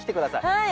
はい。